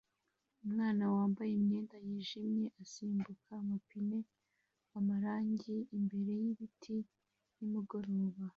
Umwana wambaye imyenda yijimye asimbuka amapine amarangi imbere yibiti nimugoroba